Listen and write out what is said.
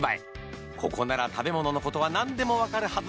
ここなら食べ物のことは何でも分かるはず。